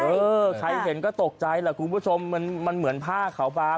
เออใครเห็นก็ตกใจแหละคุณผู้ชมมันมันเหมือนผ้าขาวบาง